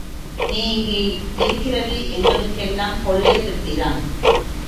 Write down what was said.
நீ இங்கே இருக்கிறது எங்களுக்கெல்லாம் கொள்ளைத் திருப்திதான்.